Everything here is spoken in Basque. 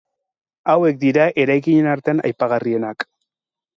Hauek dira eraikinen artean aipagarrienak.